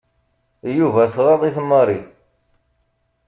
Yuba tɣaḍ-it Mary.